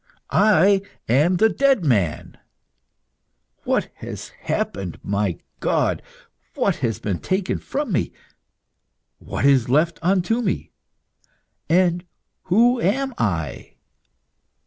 I am the dead man! What has happened, my God? What has been taken from me? What is left unto me? And who am I?"